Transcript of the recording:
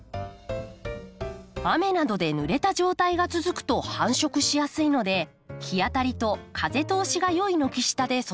雨などでぬれた状態が続くと繁殖しやすいので日当たりと風通しが良い軒下で育てましょう。